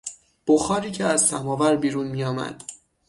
بخاری که از سماور بیرون میآمد